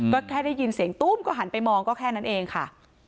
ก็แค่ได้ยินเสียงตู้มก็หันไปมองก็แค่นั้นเองค่ะ